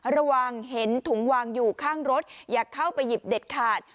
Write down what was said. ระวังเห็นถุงวางอยู่ข้างรถอย่าเข้าไปหยิบเด็ดขาด